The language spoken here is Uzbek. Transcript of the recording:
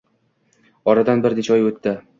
Oradan bir necha oy oʻtdi